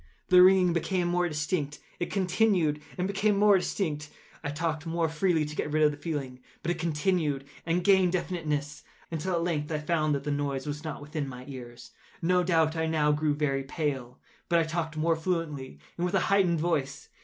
The ringing became more distinct:—it continued and became more distinct: I talked more freely to get rid of the feeling: but it continued and gained definiteness—until, at length, I found that the noise was not within my ears. No doubt I now grew very pale;—but I talked more fluently, and with a heightened voice.